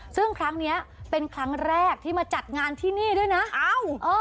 ซึ่งครั้งเนี้ยเป็นครั้งแรกที่มาจัดงานที่นี่ด้วยนะอ้าว